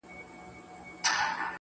نو گراني تاته وايم~